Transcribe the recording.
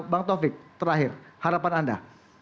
bang taufik terakhir harapan anda